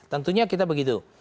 tentunya kita begitu